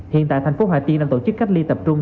hiện tại thành phố hà tiên đang tổ chức cách ly tập trung